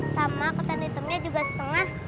sama ketan hitamnya juga setengah